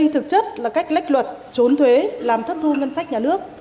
thứ nhất là cách lấy luật trốn thuế làm thất thu ngân sách nhà nước